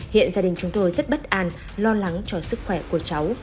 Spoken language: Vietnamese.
hiện gia đình chúng tôi rất bất an lo lắng cho sức khỏe của cháu